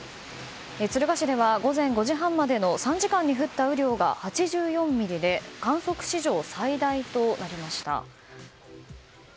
敦賀市では午前５時半までの３時間に降った雨量が８４ミリで観測史上最大となりました。